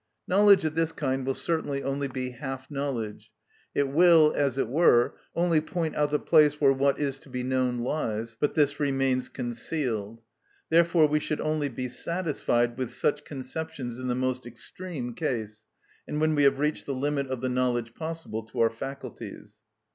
Knowledge of this kind will certainly only be half knowledge; it will, as it were, only point out the place where what is to be known lies; but this remains concealed. Therefore we should only be satisfied with such conceptions in the most extreme case, and when we have reached the limit of the knowledge possible to our faculties.